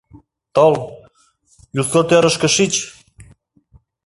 Тол, ӱстелтӧрышкӦ шич.